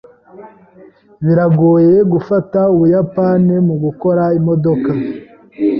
Biragoye gufata Ubuyapani mugukora imodoka.